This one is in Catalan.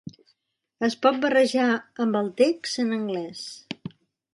Es pot barrejar amb el text en anglès.